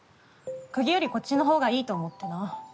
釘よりこっちの方がいいと思ってな。